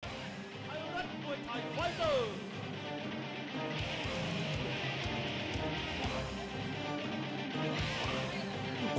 ไทยรัฐมวยไทยไฟเตอร์